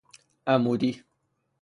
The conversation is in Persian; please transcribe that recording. عمودی